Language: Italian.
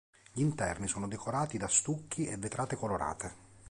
Gli interni sono decorati da stucchi e vetrate colorate.